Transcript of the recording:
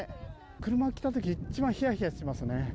車が来たとき、一番ひやひやしますね。